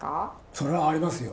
それはありますよ。